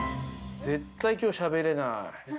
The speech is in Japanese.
絶対きょう、しゃべれない。